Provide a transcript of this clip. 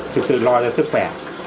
thực sự lo cho sức khỏe